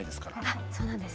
あっそうなんですね。